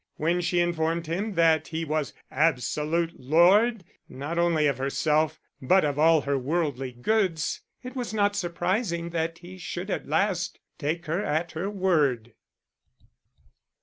When she informed him that he was absolute lord not only of herself, but of all her worldly goods, it was not surprising that he should at last take her at her word.